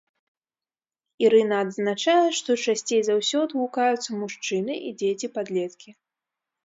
Ірына адзначае, што часцей за ўсё адгукаюцца мужчыны і дзеці-падлеткі.